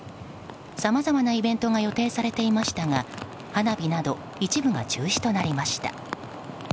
さまざまなイベントが予定されていましたが花火など一部が中止となりました。